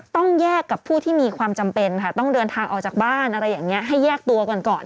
ต้องแยกกับผู้ที่มีความจำเป็นค่ะต้องเดินทางออกจากบ้านอะไรอย่างนี้ให้แยกตัวก่อนก่อน